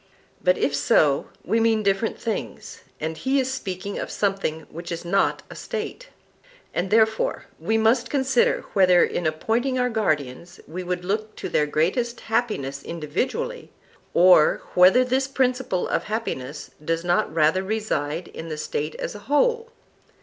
But, if so, we mean different things, and he is speaking of something which is not a State. And therefore we must consider whether in appointing our guardians we would look to their greatest happiness individually, or whether this principle of happiness does not rather reside in the State as a whole.